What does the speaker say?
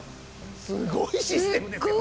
すごいシステムですよね。